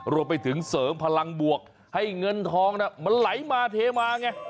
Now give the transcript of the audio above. รวมไปถึงเสริมพลังบวกให้เงินทองไหลมาเทมาเห้ง่ายล่ะ